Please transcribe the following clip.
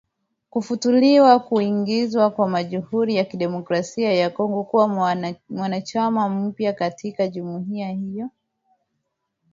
Kufuatia kuingizwa kwa Jamhuri ya Kidemokrasia ya Kongo kuwa mwanachama mpya katika jumuiya hiyo